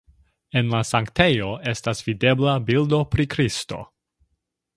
En la sanktejo estas videbla bildo pri Kristo.